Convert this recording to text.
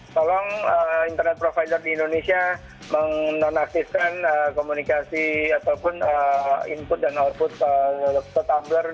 tolong internet provider di indonesia menonaktifkan komunikasi ataupun input dan output ke tumbler